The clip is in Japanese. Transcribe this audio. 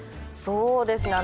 そうですね